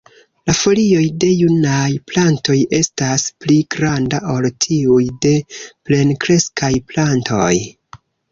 La folioj de junaj plantoj estas pli granda ol tiuj de plenkreskaj plantoj.